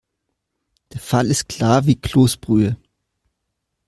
Der Fall ist klar wie Kloßbrühe.